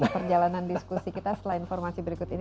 perjalanan diskusi kita setelah informasi berikut ini